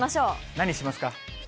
何しますか？